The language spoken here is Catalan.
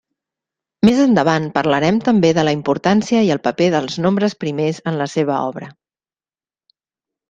Més endavant parlarem també de la importància i el paper dels nombres primers en la seva obra.